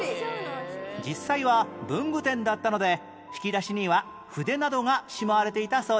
実際は文具店だったので引き出しには筆などがしまわれていたそうです